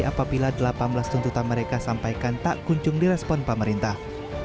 apabila delapan belas tuntutan mereka sampaikan tak kunjung direspon pemerintah